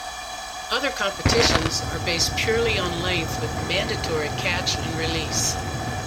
Other competitions are based purely on length with mandatory catch and release.